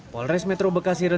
polres metro bekasi menunjukkan